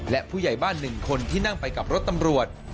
และผู้ใหญ่บ้าน๑คนที่นั่งไปกับรถตำรวจ